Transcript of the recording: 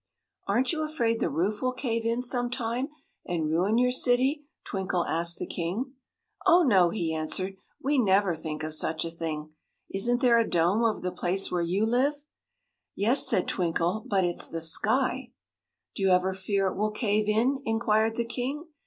"Aren't you afraid the roof will cave in some time, and ruin your city?" Twinkle asked the king. "Oh, no," he answered. "We never think of such a thing. Isn't there a dome over the place where you live?" "Yes," said Twinkle; "but it's the sky." "Do you ever fear it will cave in?" inquired the king.